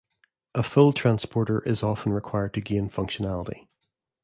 A full transporter is often required to gain functionality.